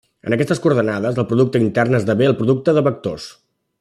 En aquestes coordenades, el producte intern esdevé el producte de vectors.